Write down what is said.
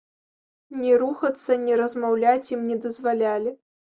Ні рухацца, ні размаўляць ім не дазвалялі.